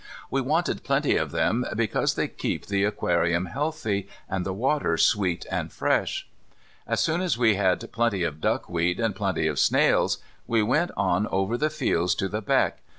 We wanted plenty of them, because they keep the aquarium healthy, and the water sweet and fresh. As soon as we had plenty of duckweed and plenty of snails, we went on over the fields to the beck.